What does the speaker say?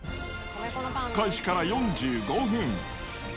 開始から４５分。